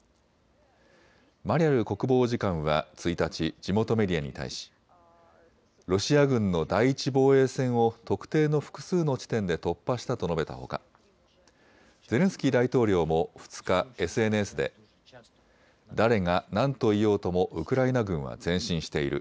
マリャル国防次官は１日、地元メディアに対しロシア軍の第１防衛線を特定の複数の地点で突破したと述べたほかゼレンスキー大統領も２日、ＳＮＳで誰が何と言おうともウクライナ軍は前進している。